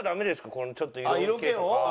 このちょっと色気とか。